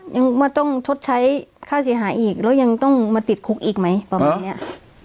ยังว่าต้องชดใช้ค่าเสียหายอีกแล้วยังต้องมาติดคุกอีกไหมประมาณเนี้ย